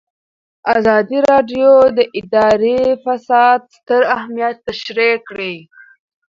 ازادي راډیو د اداري فساد ستر اهميت تشریح کړی.